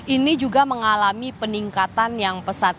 ini juga mengalami peningkatan yang pesat